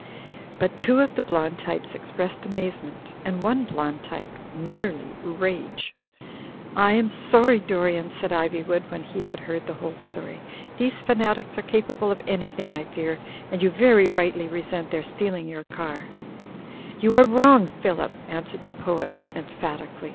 But two of the blond types expressed amazement, and one blond type merely rage. "I am sorry, Dorian," said Iv)nvood, when he had heard the whole story. "These fanatics are capable of anything, I fear, and you very rightly resent their stealing your car —" "You are wrong, Phillip," answered the poet, em phatically.